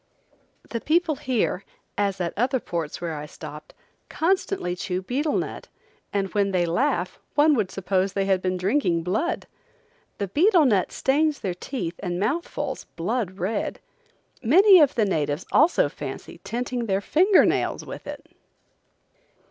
The people here, as at other ports where I stopped, constantly chew betel nut, and when they laugh one would suppose they had been drinking blood. The betel nut stains their teeth and mouthfuls blood red. Many of the natives also fancy tinting their finger nails with it.